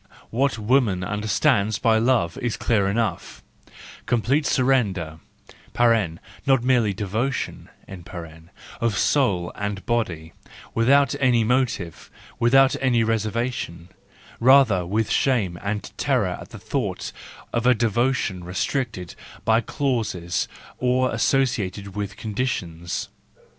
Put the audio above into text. What woman understands by love is clear enough: complete surrender (not merely devotion) of soul and body, without any motive, without any reservation, rather with shame and terror at the thought of a devotion restricted by clauses or associated with conditions.